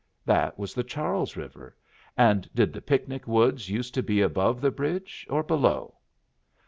That was the Charles River, and did the picnic woods used to be above the bridge or below?